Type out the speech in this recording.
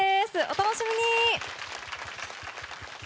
お楽しみに！